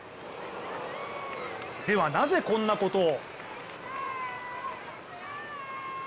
では、なぜこんなことを？